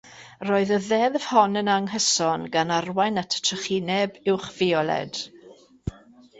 Roedd y ddeddf hon yn anghyson gan arwain at y trychineb uwchfioled.